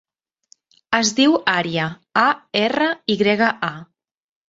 Es diu Arya: a, erra, i grega, a.